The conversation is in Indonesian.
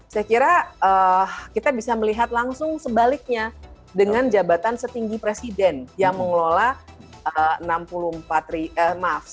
saya kira kita bisa melihat langsung sebaliknya dengan jabatan setinggi presiden yang mengelola enam puluh empat maaf